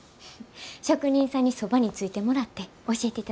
職人さんにそばについてもらって教えていただきます。